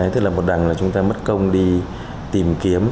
tức là một đằng là chúng ta mất công đi tìm kiếm